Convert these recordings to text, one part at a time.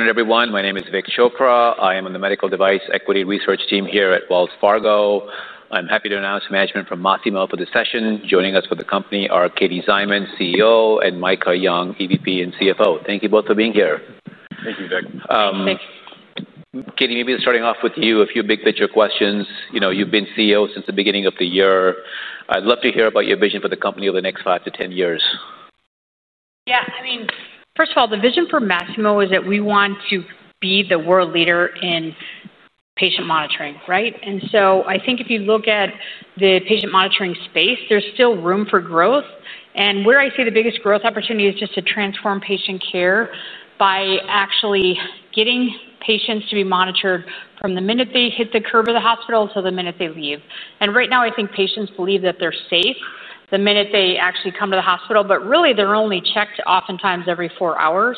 Good afternoon, everyone. My name is Vik Chopra. I am on the Medical Device Equity Research team here at Wells Fargo. I'm happy to announce management from Masimo for this session. Joining us for the company are Katie Szyman, CEO, and Micah Young, VP and CFO. Thank you both for being here. Thank you, Vik. Thank you. Katie, maybe starting off with you, a few big-picture questions. You've been CEO since the beginning of the year. I'd love to hear about your vision for the company over the next 5 to 10 years. Yeah, I mean, first of all, the vision for Masimo is that we want to be the world leader in patient monitoring, right? I think if you look at the patient monitoring space, there's still room for growth. Where I see the biggest growth opportunity is just to transform patient care by actually getting patients to be monitored from the minute they hit the curb of the hospital until the minute they leave. Right now, I think patients believe that they're safe the minute they actually come to the hospital, but really, they're only checked oftentimes every four hours.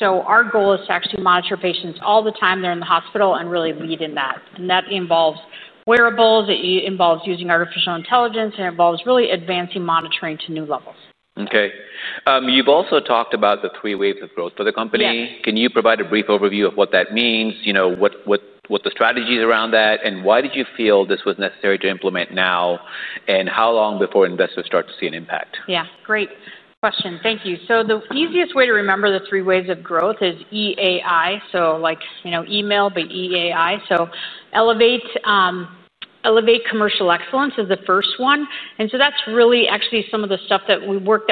Our goal is to actually monitor patients all the time they're in the hospital and really lead in that. That involves wearables, it involves using artificial intelligence, and it involves really advancing monitoring to new levels. OK. You've also talked about the three waves of growth for the company. Can you provide a brief overview of what that means, what the strategy is around that, why did you feel this was necessary to implement now, and how long before investors start to see an impact? Yeah, great question. Thank you. The easiest way to remember the three waves of growth is EAI, like you know email, but EAI. Elevate commercial excellence is the first one, and that's really actually some of the stuff that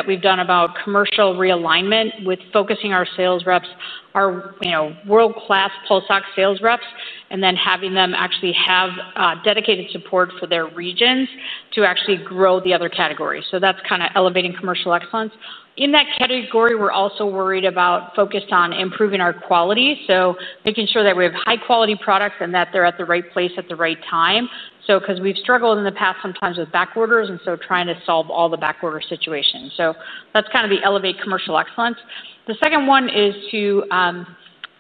we've done about commercial realignment with focusing our sales reps, our world-class pulse ox sales reps, and then having them actually have dedicated support for their regions to actually grow the other categories. That's kind of elevating commercial excellence. In that category, we're also worried about focusing on improving our quality, making sure that we have high-quality products and that they're at the right place at the right time. We've struggled in the past sometimes with backorders, and trying to solve all the backorder situations. That's kind of the elevate commercial excellence. The second one is to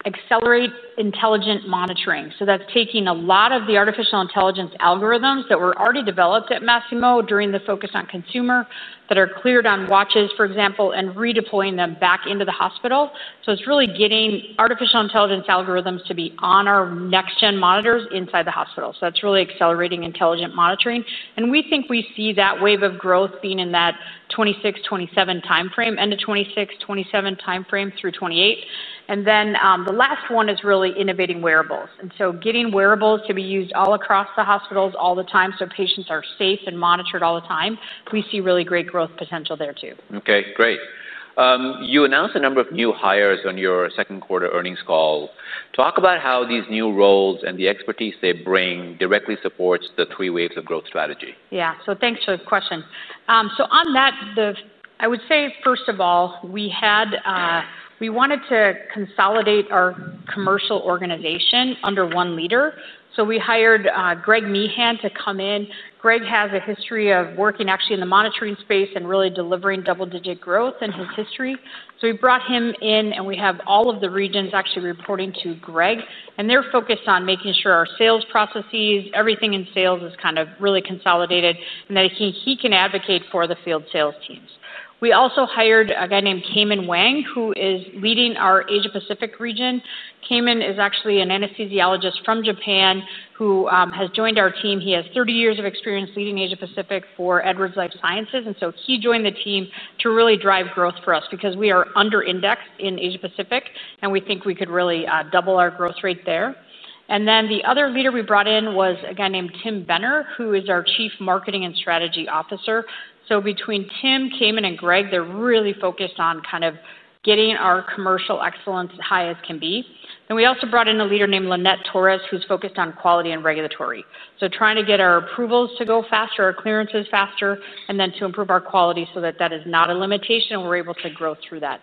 accelerate intelligent monitoring. That's taking a lot of the artificial intelligence algorithms that were already developed at Masimo during the focus on consumer that are cleared on watches, for example, and redeploying them back into the hospital. It's really getting artificial intelligence algorithms to be on our next-gen monitors inside the hospital. That's really accelerating intelligent monitoring. We think we see that wave of growth being in that 2026-2027 time frame, end of 2026-2027 time frame through 2028. The last one is really innovating wearables. Getting wearables to be used all across the hospitals all the time so patients are safe and monitored all the time, we see really great growth potential there, too. OK, great. You announced a number of new hires on your second-quarter earnings call. Talk about how these new roles and the expertise they bring directly support the three waves of growth strategy. Yeah, thanks for the question. On that, I would say, first of all, we wanted to consolidate our commercial organization under one leader. We hired Greg Meehan to come in. Greg has a history of working actually in the monitoring space and really delivering double-digit growth in his history. We brought him in, and we have all of the regions actually reporting to Greg. They're focused on making sure our sales processes, everything in sales is really consolidated and that he can advocate for the field sales teams. We also hired a guy named Kaman Wang, who is leading our Asia-Pacific region. Kaman is actually an anesthesiologist from Japan who has joined our team. He has 30 years of experience leading Asia-Pacific for Edwards Life sciences. He joined the team to really drive growth for us because we are underindexed in Asia-Pacific, and we think we could really double our growth rate there. The other leader we brought in was a guy named Tim Benner, who is our Chief Marketing and Strategy Officer. Between Tim, Kaman, and Greg, they're really focused on getting our commercial excellence as high as it can be. We also brought in a leader named Linnette Torres, who's focused on Quality and Regulatory. Trying to get our approvals to go faster, our clearances faster, and then to improve our quality so that is not a limitation and we're able to grow through that.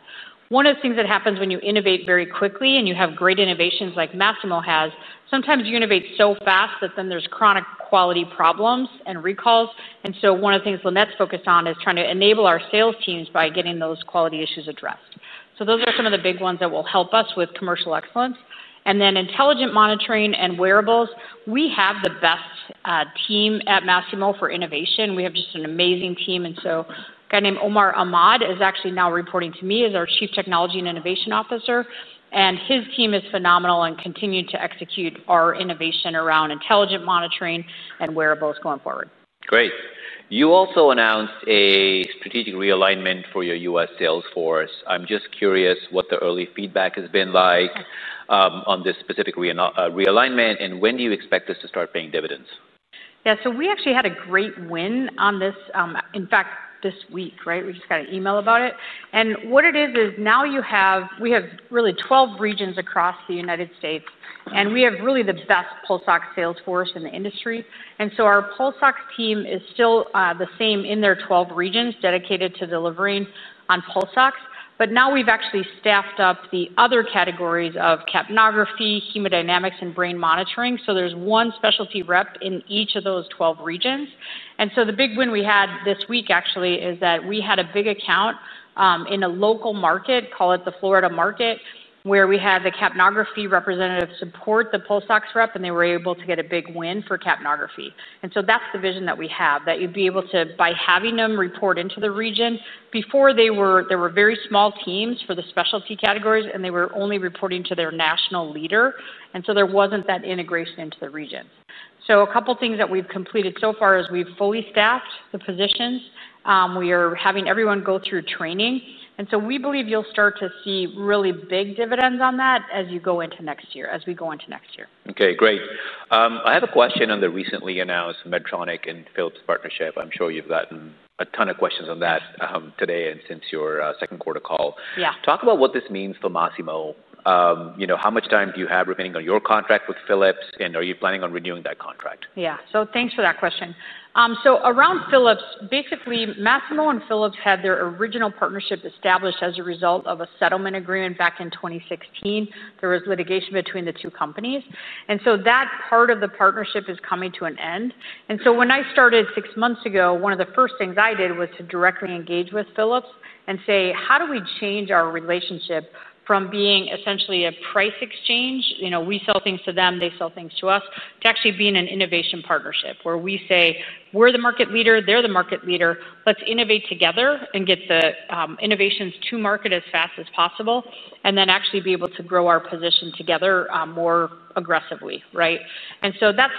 One of the things that happens when you innovate very quickly and you have great innovations like Masimo has, sometimes you innovate so fast that then there's chronic quality problems and recalls. One of the things Lynette's focused on is trying to enable our sales teams by getting those quality issues addressed. Those are some of the big ones that will help us with commercial excellence. Intelligent monitoring and wearables, we have the best team at Masimo for innovation. We have just an amazing team. A guy named Omar Ahmed is actually now reporting to me as our Chief Technology and Innovation Officer. His team is phenomenal and continuing to execute our innovation around intelligent monitoring and wearables going forward. Great. You also announced a strategic realignment for your U.S. sales force. I'm just curious what the early feedback has been like on this specific realignment, and when do you expect us to start paying dividends? Yeah, so we actually had a great win on this, in fact, this week, right? We just got an email about it. What it is, is now we have really 12 regions across the U.S., and we have really the best pulse ox sales force in the industry. Our pulse ox team is still the same in their 12 regions dedicated to delivering on pulse ox. Now we've actually staffed up the other categories of capnography, hemodynamics, and brain monitoring. There's one specialty rep in each of those 12 regions. The big win we had this week, actually, is that we had a big account in a local market, call it the Florida market, where we had the capnography representative support the pulse ox rep, and they were able to get a big win for capnography. That's the vision that we have, that you'd be able to, by having them report into the region, before they were very small teams for the specialty categories, and they were only reporting to their national leader. There wasn't that integration into the regions. A couple of things that we've completed so far is we've fully staffed the positions. We are having everyone go through training. We believe you'll start to see really big dividends on that as you go into next year, as we go into next year. OK, great. I have a question on the recently announced Medtronic and Philips partnership. I'm sure you've gotten a ton of questions on that today and since your second-quarter call. Talk about what this means for Masimo. How much time do you have remaining on your contract with Philips, and are you planning on renewing that contract? Yeah, thanks for that question. Around Philips, basically, Masimo and Philips had their original partnership established as a result of a settlement agreement back in 2016. There was litigation between the two companies. That part of the partnership is coming to an end. When I started six months ago, one of the first things I did was to directly engage with Philips and say, how do we change our relationship from being essentially a price exchange? We sell things to them, they sell things to us, to actually being an innovation partnership where we say, we're the market leader, they're the market leader, let's innovate together and get the innovations to market as fast as possible, and then actually be able to grow our position together more aggressively, right?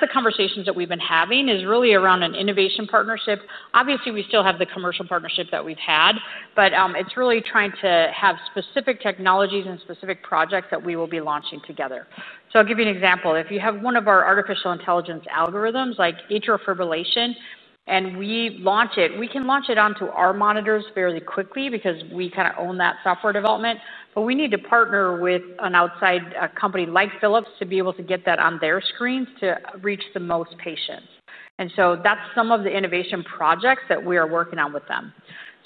The conversations that we've been having are really around an innovation partnership. Obviously, we still have the commercial partnership that we've had, but it's really trying to have specific technologies and specific projects that we will be launching together. I'll give you an example. If you have one of our artificial intelligence algorithms, like atrial fibrillation, and we launch it, we can launch it onto our monitors fairly quickly because we kind of own that software development. We need to partner with an outside company like Philips to be able to get that on their screens to reach the most patients. That's some of the innovation projects that we are working on with them.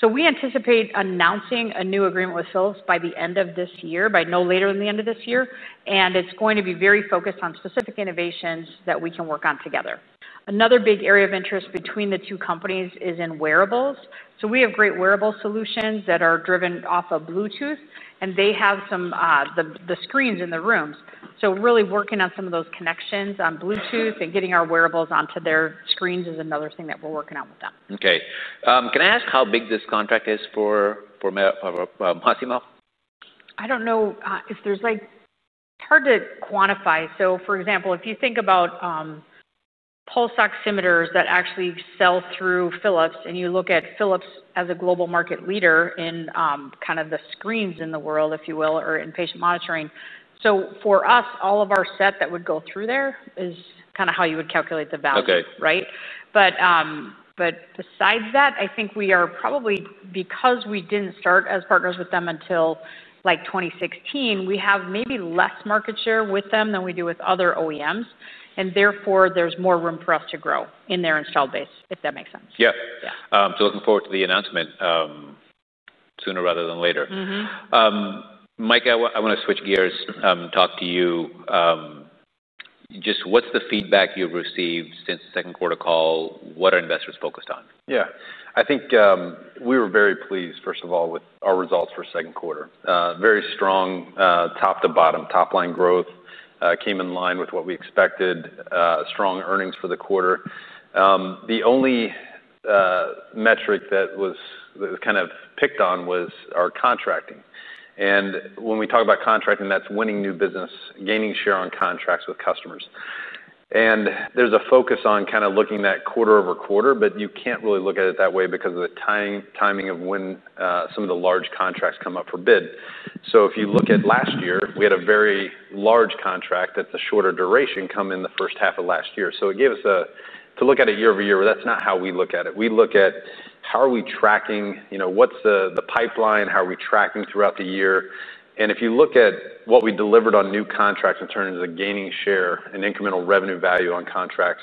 We anticipate announcing a new agreement with Philips by the end of this year, by no later than the end of this year. It's going to be very focused on specific innovations that we can work on together. Another big area of interest between the two companies is in wearables. We have great wearable solutions that are driven off of Bluetooth, and they have some of the screens in the rooms. Really working on some of those connections on Bluetooth and getting our wearables onto their screens is another thing that we're working on with them. OK. Can I ask how big this contract is for Masimo? I don't know if there's, like, it's hard to quantify. For example, if you think about pulse oximeters that actually sell through Philips, and you look at Philips as a global market leader in kind of the screens in the world, if you will, or in patient monitoring. For us, all of our SET that would go through there is kind of how you would calculate the value, right? Besides that, I think we are probably, because we didn't start as partners with them until 2016, we have maybe less market share with them than we do with other OEMs. Therefore, there's more room for us to grow in their installed base, if that makes sense. Yeah. Yeah. Looking forward to the announcement sooner rather than later. Micah, I want to switch gears, talk to you. Just what's the feedback you've received since the second quarter call? What are investors focused on? Yeah, I think we were very pleased, first of all, with our results for the second quarter. Very strong top to bottom, top line growth came in line with what we expected, strong earnings for the quarter. The only metric that was kind of picked on was our contracting. When we talk about contracting, that's winning new business, gaining share on contracts with customers. There's a focus on kind of looking at quarter over quarter, but you can't really look at it that way because of the timing of when some of the large contracts come up for bid. If you look at last year, we had a very large contract that's a shorter duration come in the first half of last year. It gives us to look at it year-over-year, but that's not how we look at it. We look at how are we tracking, what's the pipeline, how are we tracking throughout the year. If you look at what we delivered on new contracts and turned into gaining share and incremental revenue value on contracts,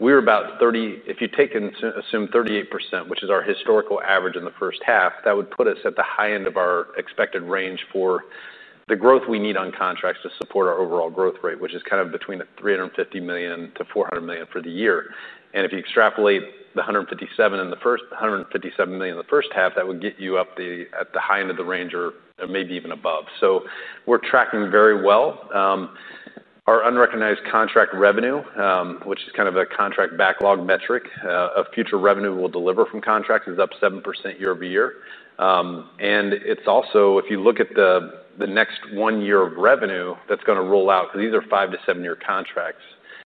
we were about 30, if you take and assume 38%, which is our historical average in the first half, that would put us at the high end of our expected range for the growth we need on contracts to support our overall growth rate, which is kind of between the $350 million to $400 million for the year. If you extrapolate the $157 million in the first half, that would get you at the high end of the range or maybe even above. We're tracking very well. Our unrecognized contract revenue, which is kind of a contract backlog metric of future revenue we'll deliver from contracts, is up 7% year-over-year. If you look at the next one year of revenue that's going to roll out, because these are five to seven-year contracts,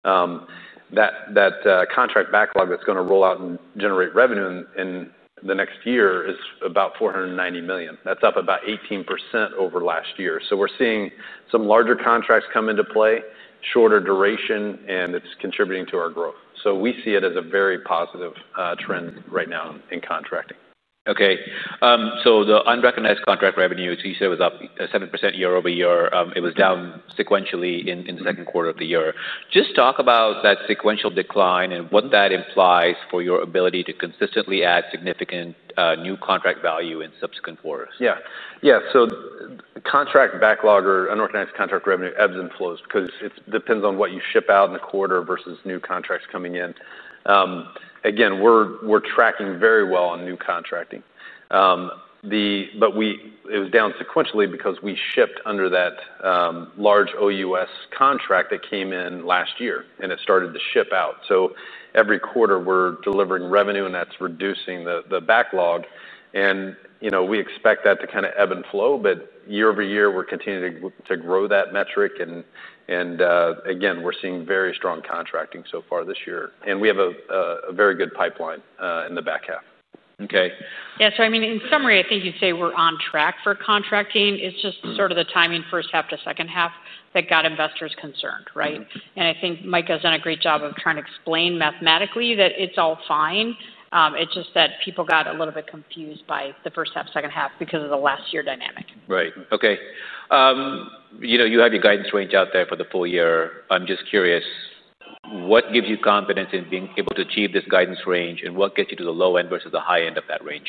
that contract backlog that's going to roll out and generate revenue in the next year is about $490 million. That's up about 18% over last year. We're seeing some larger contracts come into play, shorter duration, and it's contributing to our growth. We see it as a very positive trend right now in contracting. OK. The unrecognized contract revenue, you said it was up 7% year-over-year. It was down sequentially in the second quarter of the year. Just talk about that sequential decline and what that implies for your ability to consistently add significant new contract value in subsequent quarters. Yeah, yeah, so the contract backlog or unrecognized contract revenue ebbs and flows because it depends on what you ship out in the quarter versus new contracts coming in. Again, we're tracking very well on new contracting. It was down sequentially because we shipped under that large OUS contract that came in last year, and it started to ship out. Every quarter, we're delivering revenue, and that's reducing the backlog. We expect that to kind of ebb and flow, but year-over-year, we're continuing to grow that metric. Again, we're seeing very strong contracting so far this year. We have a very good pipeline in the back half. Yeah, in summary, I think you'd say we're on track for contracting. It's just sort of the timing, first half to second half, that got investors concerned, right? I think Micah's done a great job of trying to explain mathematically that it's all fine. It's just that people got a little bit confused by the first half, second half because of the last year dynamic. Right, OK. You have your guidance range out there for the full year. I'm just curious, what gives you confidence in being able to achieve this guidance range, and what gets you to the low end versus the high end of that range?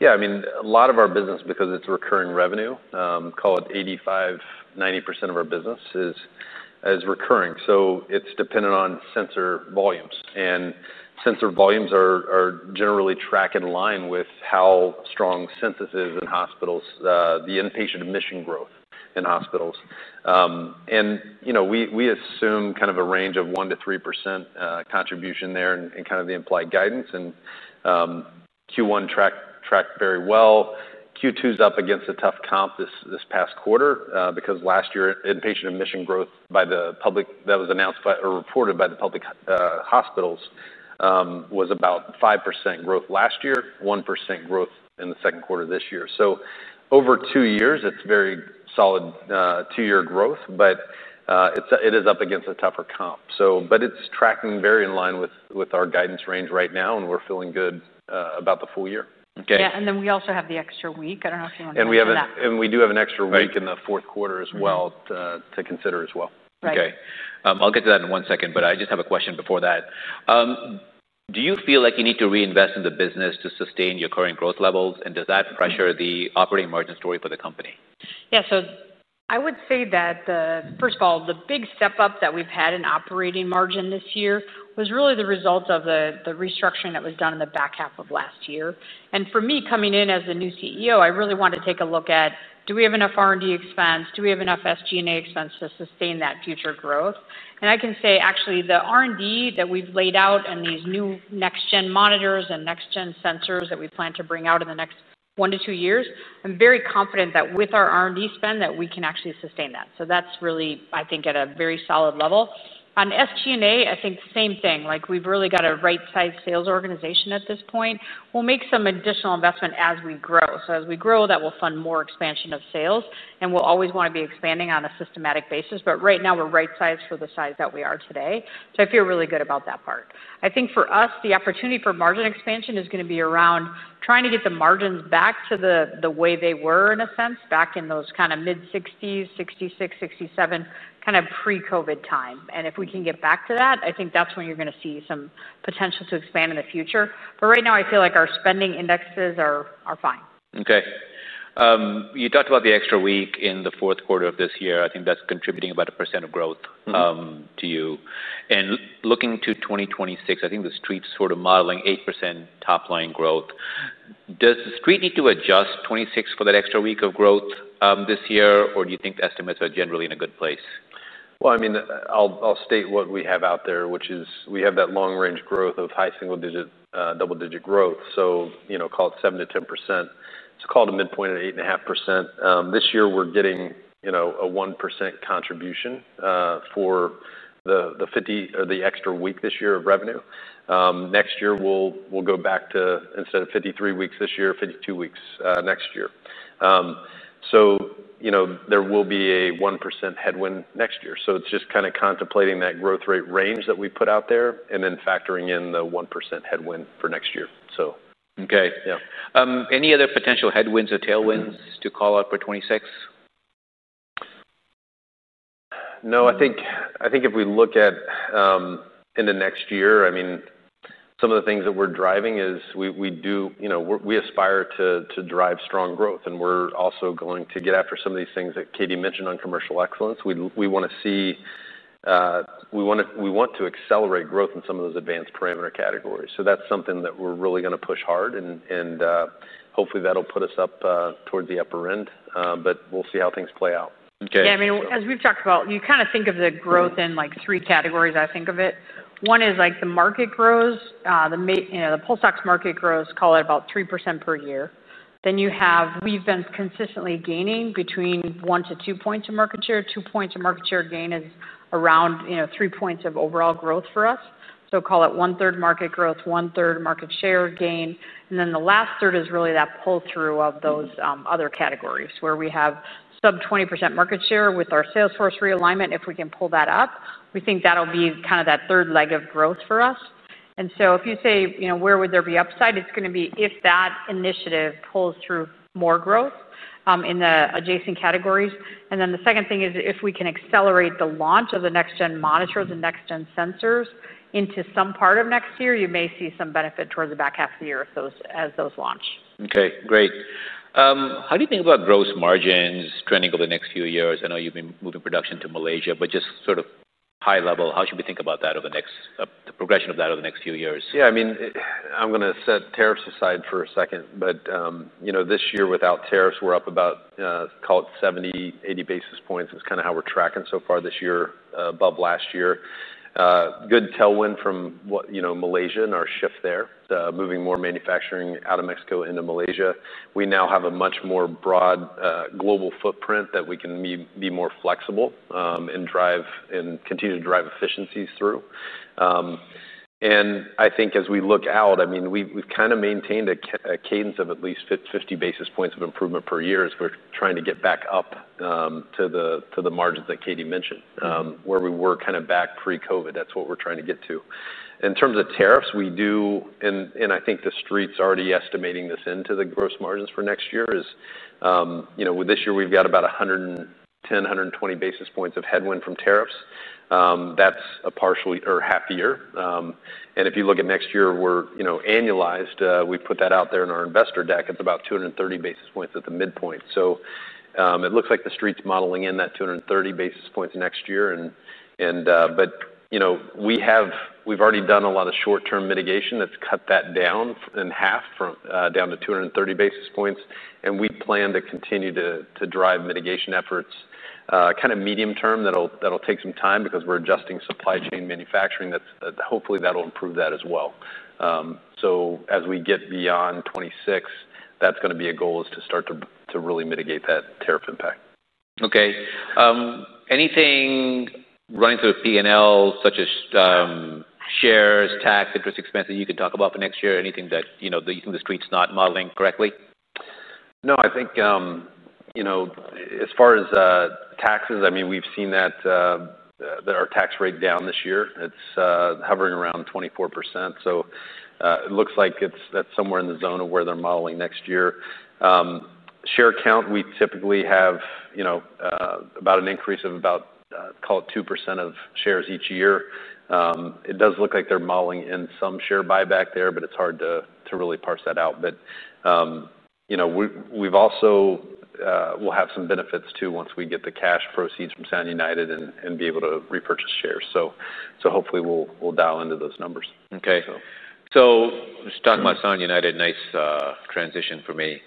Yeah, I mean, a lot of our business, because it's recurring revenue, call it 85% to 90% of our business is recurring. It's dependent on sensor volumes, and sensor volumes are generally tracked in line with how strong censuses in hospitals, the inpatient admission growth in hospitals. We assume kind of a range of 1% to 3% contribution there in kind of the implied guidance. Q1 tracked very well. Q2 is up against a tough comp this past quarter because last year, inpatient admission growth by the public that was announced or reported by the public hospitals was about 5% growth last year, 1% growth in the second quarter this year. Over two years, it's very solid two-year growth, but it is up against a tougher comp. It's tracking very in line with our guidance range right now, and we're feeling good about the full year. Yeah, we also have the extra week. I don't know if you want to talk about that. We do have an extra week in the fourth quarter to consider as well. OK. I'll get to that in one second, but I just have a question before that. Do you feel like you need to reinvest in the business to sustain your current growth levels, and does that pressure the operating margin story for the company? Yeah, so I would say that, first of all, the big step up that we've had in operating margin this year was really the result of the restructuring that was done in the back half of last year. For me, coming in as the new CEO, I really want to take a look at, do we have enough R&D expense? Do we have enough SG&A expense to sustain that future growth? I can say, actually, the R&D that we've laid out and these new next-gen monitors and next-gen sensors that we plan to bring out in the next one to two years, I'm very confident that with our R&D spend that we can actually sustain that. That's really, I think, at a very solid level. On SG&A, I think the same thing. We've really got a right-sized sales organization at this point. We'll make some additional investment as we grow. As we grow, that will fund more expansion of sales. We'll always want to be expanding on a systematic basis. Right now, we're right-sized for the size that we are today. I feel really good about that part. I think for us, the opportunity for margin expansion is going to be around trying to get the margins back to the way they were, in a sense, back in those kind of mid-60s, 66%, 67%, kind of pre-COVID time. If we can get back to that, I think that's when you're going to see some potential to expand in the future. Right now, I feel like our spending indexes are fine. OK. You talked about the extra week in the fourth quarter of this year. I think that's contributing about 1% of growth to you. Looking to 2026, I think the Street's sort of modeling 8% top line growth. Does the Street need to adjust 2026 for that extra week of growth this year, or do you think the estimates are generally in a good place? I mean, I'll state what we have out there, which is we have that long-range growth of high single-digit, double-digit growth. Call it 7% to 10%. Call it a midpoint of 8.5%. This year, we're getting a 1% contribution for the extra week this year of revenue. Next year, we'll go back to instead of 53 weeks this year, 52 weeks next year. There will be a 1% headwind next year. It's just kind of contemplating that growth rate range that we put out there and then factoring in the 1% headwind for next year. OK, yeah. Any other potential headwinds or tailwinds to call out for 2026? No, I think if we look at in the next year, I mean, some of the things that we're driving is we aspire to drive strong growth. We're also going to get after some of these things that Katie mentioned on commercial excellence. We want to see, we want to accelerate growth in some of those advanced parameter categories. That's something that we're really going to push hard. Hopefully, that'll put us up toward the upper end. We'll see how things play out. Yeah, I mean, as we've talked about, you kind of think of the growth in like three categories, I think of it. One is like the market grows. The pulse ox market grows, call it about 3% per year. Then you have, we've been consistently gaining between 1% to 2% points of market share. 2% points of market share gain is around 3% points of overall growth for us. Call it 1/3 market growth, 1/3 market share gain, and then the last third is really that pull-through of those other categories where we have sub-20% market share with our sales force realignment. If we can pull that up, we think that'll be kind of that third leg of growth for us. If you say, where would there be upside? It's going to be if that initiative pulls through more growth in the adjacent categories. The second thing is if we can accelerate the launch of the next-gen monitors, the next-gen sensors into some part of next year, you may see some benefit toward the back half of the year as those launch. OK, great. How do you think about gross margins trending over the next few years? I know you've been moving production to Malaysia, but just sort of high level, how should we think about that over the next, the progression of that over the next few years? Yeah, I mean, I'm going to set tariffs aside for a second. This year, without tariffs, we're up about, call it 70, 80 basis points is kind of how we're tracking so far this year, above last year. Good tailwind from Malaysia in our shift there, moving more manufacturing out of Mexico into Malaysia. We now have a much more broad global footprint that we can be more flexible and continue to drive efficiencies through. I think as we look out, we've kind of maintained a cadence of at least 50 basis points of improvement per year as we're trying to get back up to the margins that Katie mentioned, where we were kind of back pre-COVID. That's what we're trying to get to. In terms of tariffs, we do, and I think the Street's already estimating this into the gross margins for next year, is this year, we've got about 110, 120 basis points of headwind from tariffs. That's a partial or half year. If you look at next year, we're annualized. We put that out there in our investor deck. It's about 230 basis points at the midpoint. It looks like the Street's modeling in that 230 basis points next year. We've already done a lot of short-term mitigation that's cut that down in half, down to 230 basis points. We plan to continue to drive mitigation efforts kind of medium term. That'll take some time because we're adjusting supply chain manufacturing. Hopefully, that'll improve that as well. As we get beyond 2026, that's going to be a goal is to start to really mitigate that tariff impact. OK. Anything running through a P&L, such as shares, tax, interest expenses you could talk about for next year? Anything that you think the Street's not modeling correctly? No, I think as far as taxes, I mean, we've seen that our tax rate down this year. It's hovering around 24%. It looks like that's somewhere in the zone of where they're modeling next year. Share count, we typically have about an increase of about, call it 2% of shares each year. It does look like they're modeling in some share buyback there, but it's hard to really parse that out. We'll have some benefits, too, once we get the cash proceeds from Sound United and be able to repurchase shares. Hopefully, we'll dial into those numbers. OK. Just talking about Sound United, nice transition for me.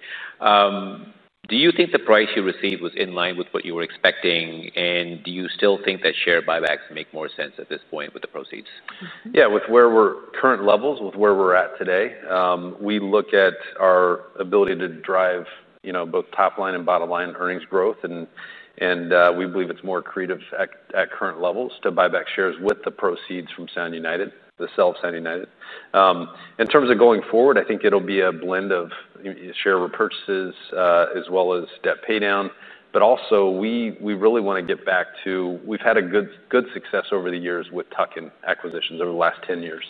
Do you think the price you received was in line with what you were expecting? Do you still think that share buybacks make more sense at this point with the proceeds? Yeah, with where we're at current levels, with where we're at today, we look at our ability to drive both top line and bottom line earnings growth. We believe it's more accretive at current levels to buy back shares with the proceeds from Sound United, the sale of Sound United. In terms of going forward, I think it'll be a blend of share repurchases as well as debt paydown. We really want to get back to we've had good success over the years with tuck-in acquisitions over the last 10 years.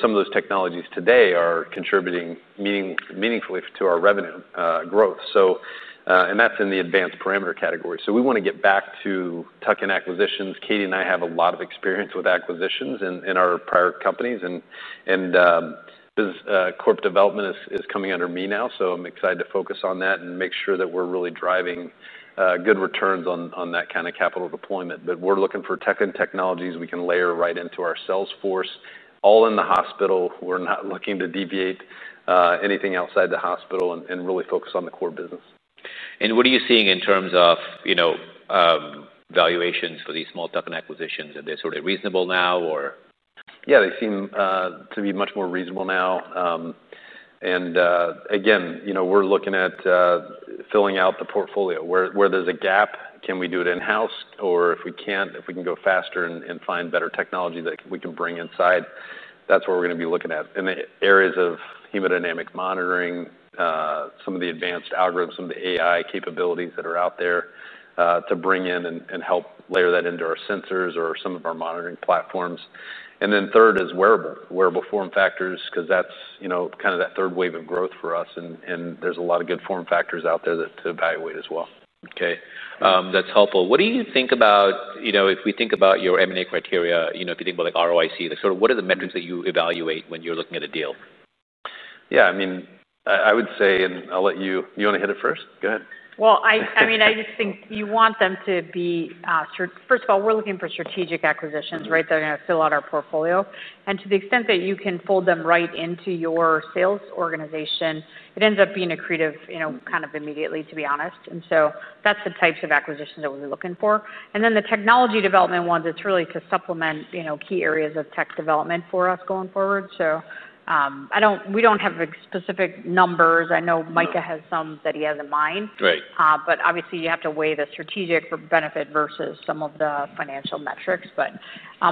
Some of those technologies today are contributing meaningfully to our revenue growth, and that's in the advanced parameter category. We want to get back to tuck-in acquisitions. Katie and I have a lot of experience with acquisitions in our prior companies. Corporate development is coming under me now. I'm excited to focus on that and make sure that we're really driving good returns on that kind of capital deployment. We're looking for tuck-in technologies we can layer right into our sales force, all in the hospital. We're not looking to deviate anything outside the hospital and really focus on the core business. What are you seeing in terms of valuations for these small tuck-in acquisitions? Are they sort of reasonable now, or? They seem to be much more reasonable now. We're looking at filling out the portfolio. Where there's a gap, can we do it in-house? If we can't, if we can go faster and find better technology that we can bring inside, that's where we're going to be looking at. The areas of hemodynamic monitoring, some of the advanced algorithms, some of the AI capabilities that are out there to bring in and help layer that into our sensors or some of our monitoring platforms. Third is wearable, wearable form factors, because that's kind of that third wave of growth for us. There's a lot of good form factors out there to evaluate as well. OK, that's helpful. What do you think about, if we think about your M&A criteria, if you think about ROIC, what are the metrics that you evaluate when you're looking at a deal? Yeah, I would say, I'll let you, you want to hit it first? Go ahead. I just think you want them to be, first of all, we're looking for strategic acquisitions, right? They're going to fill out our portfolio. To the extent that you can fold them right into your sales organization, it ends up being accretive kind of immediately, to be honest. That's the types of acquisitions that we'll be looking for. The technology development ones, it's really to supplement key areas of tech development for us going forward. We don't have specific numbers. I know Micah has some that he has in mind. Obviously, you have to weigh the strategic benefit versus some of the financial metrics.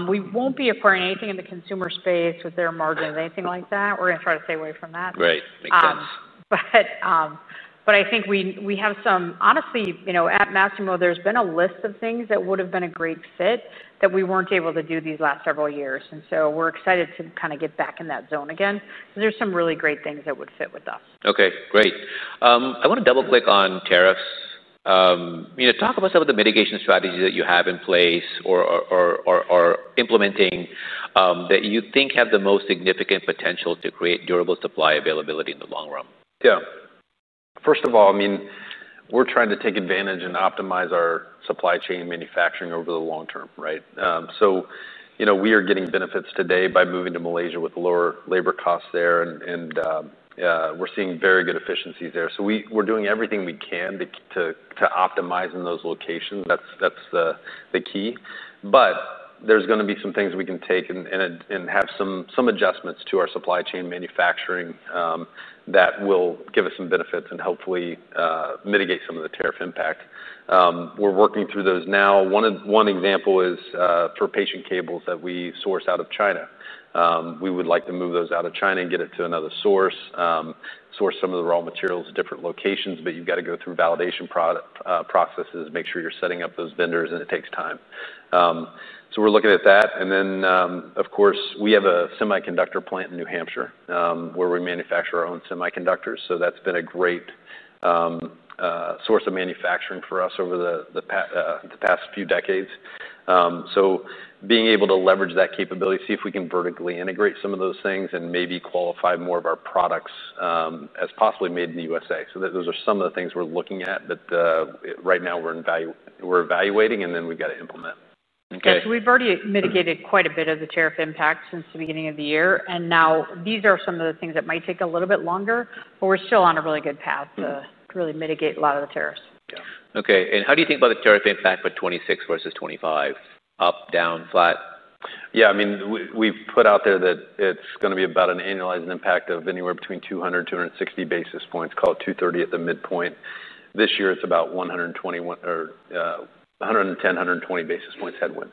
We won't be acquiring anything in the consumer space with their margins, anything like that. We're going to try to stay away from that. Right, makes sense. I think we have some, honestly, at Masimo, there's been a list of things that would have been a great fit that we weren't able to do these last several years. We're excited to kind of get back in that zone again. There's some really great things that would fit with us. OK, great. I want to double-click on tariffs. Talk about some of the mitigation strategies that you have in place or are implementing that you think have the most significant potential to create durable supply availability in the long run. Yeah, first of all, I mean, we're trying to take advantage and optimize our supply chain manufacturing over the long term, right? We are getting benefits today by moving to Malaysia with lower labor costs there, and we're seeing very good efficiencies there. We're doing everything we can to optimize in those locations. That's the key. There are going to be some things we can take and have some adjustments to our supply chain manufacturing that will give us some benefits and hopefully mitigate some of the tariff impact. We're working through those now. One example is for patient cables that we source out of China. We would like to move those out of China and get it to another source, source some of the raw materials in different locations. You've got to go through validation processes, make sure you're setting up those vendors, and it takes time. We're looking at that. Of course, we have a semiconductor plant in New Hampshire where we manufacture our own semiconductors. That's been a great source of manufacturing for us over the past few decades. Being able to leverage that capability, see if we can vertically integrate some of those things and maybe qualify more of our products as possibly made in the U.S. Those are some of the things we're looking at right now, we're evaluating, and then we've got to implement. Yeah, we've already mitigated quite a bit of the tariff impact since the beginning of the year. These are some of the things that might take a little bit longer, but we're still on a really good path to really mitigate a lot of the tariffs. OK, how do you think about the tariff impact for 2026 versus 2025? Up, down, flat? Yeah, I mean, we've put out there that it's going to be about an annualized impact of anywhere between 200, 260 basis points. Call it 230 at the midpoint. This year, it's about 110, 120 basis points headwind.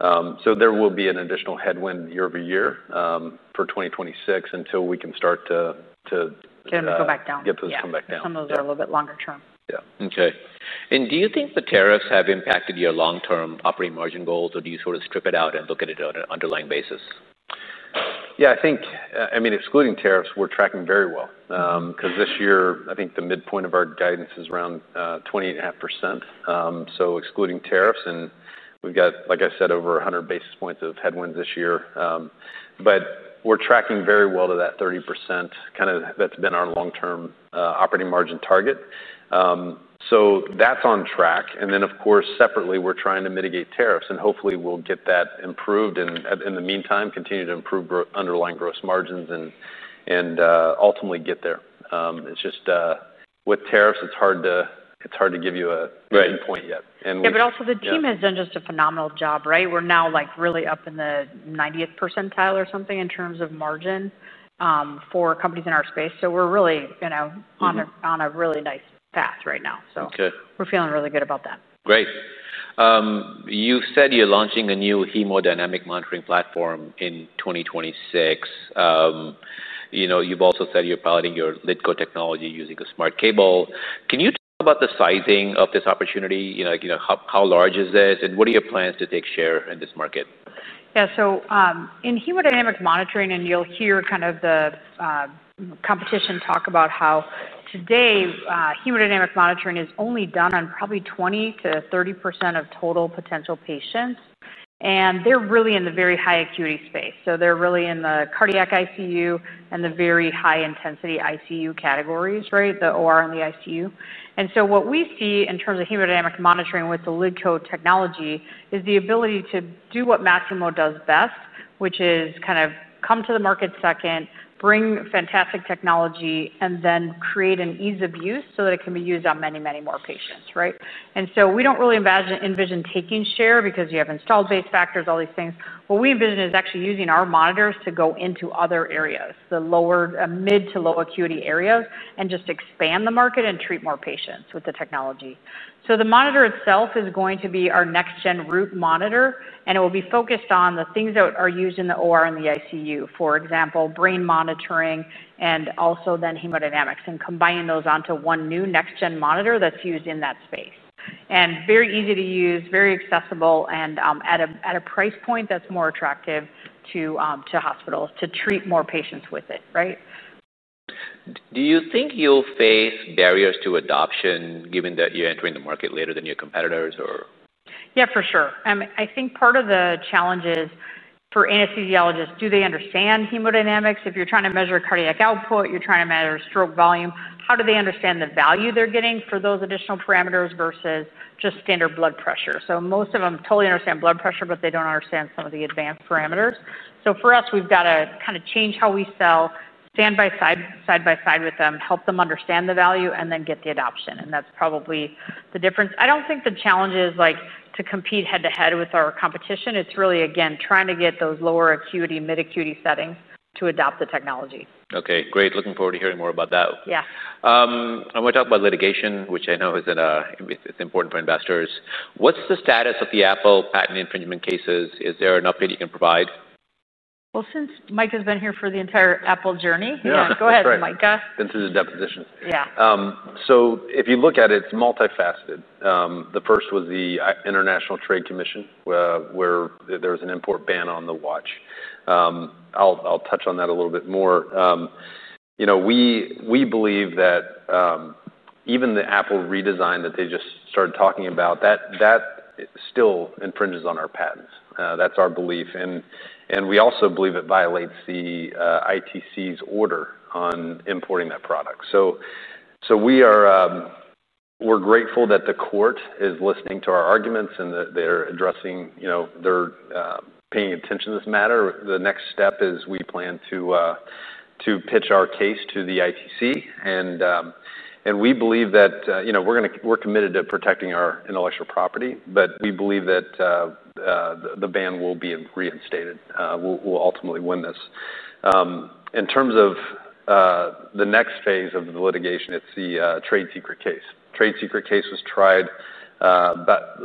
There will be an additional headwind year-over-year for 2026 until we can start to. Can go back down. Get those to come back down. Yeah, some of those are a little bit longer term. Yeah. Do you think the tariffs have impacted your long-term operating margin goals, or do you sort of strip it out and look at it on an underlying basis? Yeah, I think, I mean, excluding tariffs, we're tracking very well. This year, I think the midpoint of our guidance is around 20.5%. Excluding tariffs, and we've got, like I said, over 100 basis points of headwinds this year. We're tracking very well to that 30% kind of that's been our long-term operating margin target. That's on track. Of course, separately, we're trying to mitigate tariffs. Hopefully, we'll get that improved and in the meantime continue to improve underlying gross margins and ultimately get there. It's just with tariffs, it's hard to give you a endpoint yet. Yeah, the team has done just a phenomenal job, right? We're now like really up in the 90th percentile or something in terms of margin for companies in our space. We're really on a really nice path right now. We're feeling really good about that. Great. You said you're launching a new hemodynamic monitoring platform in 2026. You've also said you're piloting your LiDCO technology using a smart cable. Can you talk about the sizing of this opportunity? How large is this? What are your plans to take share in this market? Yeah, so in hemodynamic monitoring, you'll hear kind of the competition talk about how today hemodynamic monitoring is only done on probably 20% to 30% of total potential patients. They're really in the very high acuity space. They're really in the cardiac ICU and the very high-intensity ICU categories, right? The OR and the ICU. What we see in terms of hemodynamic monitoring with the LiDCO technology is the ability to do what Masimo does best, which is kind of come to the market second, bring fantastic technology, and then create an ease of use so that it can be used on many, many more patients, right? We don't really envision taking share because you have installed base factors, all these things. What we envision is actually using our monitors to go into other areas, the lower mid to low acuity areas, and just expand the market and treat more patients with the technology. The monitor itself is going to be our next-gen root monitor. It will be focused on the things that are used in the OR and the ICU, for example, brain monitoring and also then hemodynamics and combining those onto one new next-gen monitor that's used in that space. Very easy to use, very accessible, and at a price point that's more attractive to hospitals to treat more patients with it, right? Do you think you'll face barriers to adoption given that you're entering the market later than your competitors? Yeah, for sure. I think part of the challenge is for anesthesiologists, do they understand hemodynamics? If you're trying to measure cardiac output, you're trying to measure stroke volume, how do they understand the value they're getting for those additional parameters versus just standard blood pressure? Most of them totally understand blood pressure, but they don't understand some of the advanced parameters. For us, we've got to kind of change how we sell side by side with them, help them understand the value, and then get the adoption. That's probably the difference. I don't think the challenge is to compete head to head with our competition. It's really, again, trying to get those lower acuity, mid-acuity settings to adopt the technology. OK, great. Looking forward to hearing more about that. Yeah. I want to talk about litigation, which I know is important for investors. What's the status of the Apple patent infringement cases? Is there an update you can provide? Since Micah's been here for the entire Apple journey, go ahead, Micah. This is a deposition. Yeah. If you look at it, it's multifaceted. The first was the International Trade Commission where there was an import ban on the watch. I'll touch on that a little bit more. We believe that even the Apple redesign that they just started talking about still infringes on our patents. That's our belief. We also believe it violates the ITC's order on importing that product. We're grateful that the court is listening to our arguments and that they're paying attention to this matter. The next step is we plan to pitch our case to the ITC, and we believe that we're committed to protecting our intellectual property. We believe that the ban will be reinstated. We'll ultimately win this. In terms of the next phase of the litigation, it's the trade secret case. The trade secret case was tried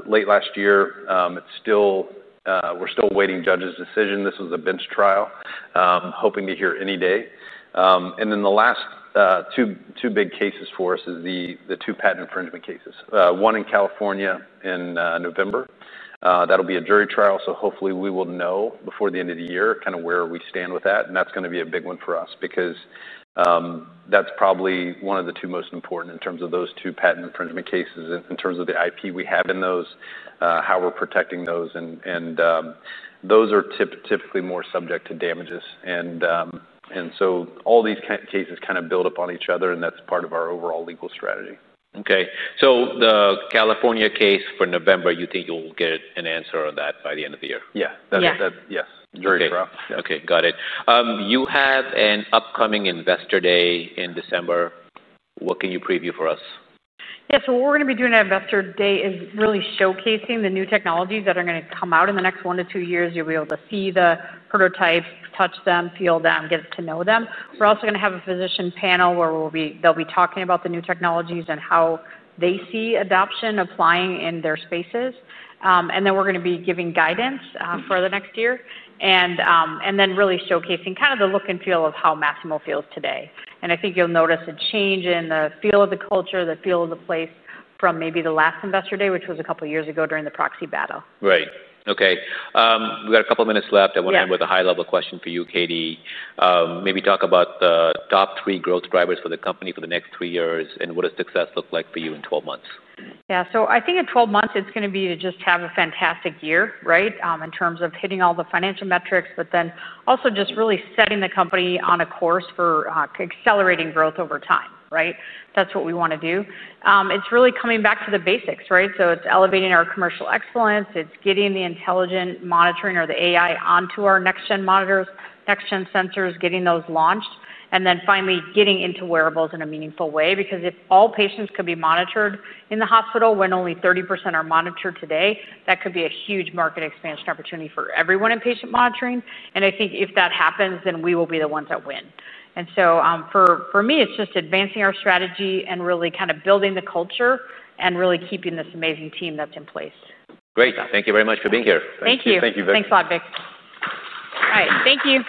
late last year. We're still awaiting the judge's decision. This was a bench trial, hoping to hear any day. The last two big cases for us are the two patent infringement cases, one in California in November. That'll be a jury trial. Hopefully, we will know before the end of the year kind of where we stand with that. That's going to be a big one for us because that's probably one of the two most important in terms of those two patent infringement cases, in terms of the IP we have in those, how we're protecting those. Those are typically more subject to damages. All these cases kind of build up on each other, and that's part of our overall legal strategy. OK, so the California case for November, you think you'll get an answer on that by the end of the year? Yeah, that's yes, jury trial. OK, got it. You have an upcoming investor day in December. What can you preview for us? Yeah, so what we're going to be doing at investor day is really showcasing the new technologies that are going to come out in the next one to two years. You'll be able to see the prototypes, touch them, feel them, get to know them. We're also going to have a physician panel where they'll be talking about the new technologies and how they see adoption applying in their spaces. We're going to be giving guidance for the next year and really showcasing kind of the look and feel of how Masimo feels today. I think you'll notice a change in the feel of the culture, the feel of the place from maybe the last investor day, which was a couple of years ago during the proxy battle. Right, OK. We've got a couple of minutes left. I want to end with a high-level question for you, Katie. Maybe talk about the top three growth drivers for the company for the next three years, and what does success look like for you in 12 months? Yeah, I think in 12 months, it's going to be to just have a fantastic year, right, in terms of hitting all the financial metrics, but then also just really setting the company on a course for accelerating growth over time, right? That's what we want to do. It's really coming back to the basics, right? It's elevating our commercial excellence. It's getting the intelligent monitoring or the AI onto our next-gen monitors, next-gen sensors, getting those launched, and then finally getting into wearables in a meaningful way. If all patients could be monitored in the hospital when only 30% are monitored today, that could be a huge market expansion opportunity for everyone in patient monitoring. I think if that happens, then we will be the ones that win. For me, it's just advancing our strategy and really kind of building the culture and really keeping this amazing team that's in place. Great. Thank you very much for being here. Thank you. Thanks a lot, Vik. All right, thank you.